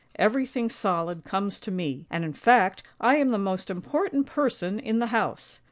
Everything solid comes to me, and in fact I am the most important person in the house.